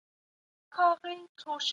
هغه پس انداز چې په بانک کي دی ګټه لري.